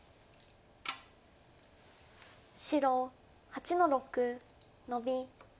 白８の六ノビ。